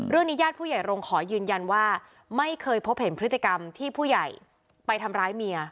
ญาติผู้ใหญ่โรงขอยืนยันว่าไม่เคยพบเห็นพฤติกรรมที่ผู้ใหญ่ไปทำร้ายเมีย